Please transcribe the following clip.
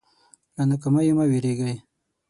له ناکامیو مه وېرېږئ.